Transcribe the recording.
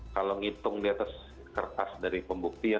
kalau ngitung diatas kertas dari pembuktian